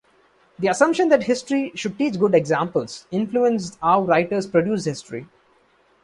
The assumption that history "should teach good examples" influenced how writers produced history.